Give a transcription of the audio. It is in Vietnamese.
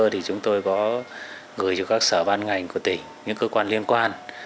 thì chúng tôi có gửi cho các sở ban ngành của tỉnh những cơ quan liên quan